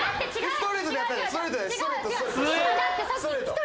ストレートでやったじゃん。